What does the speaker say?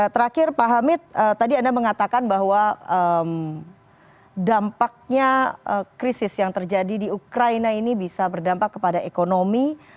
terakhir pak hamid tadi anda mengatakan bahwa dampaknya krisis yang terjadi di ukraina ini bisa berdampak kepada ekonomi